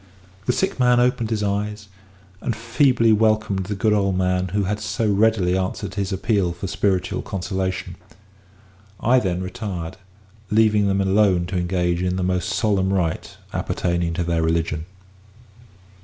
The sick man opened his eyes, and feebly welcomed the good old man who had so readily answered his appeal for spiritual consolation. I then retired, leaving them alone to engage in the most solemn rite appertaining to their religion.